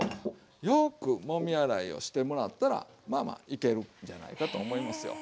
よくもみ洗いをしてもらったらまあまあいけるんじゃないかと思いますよ。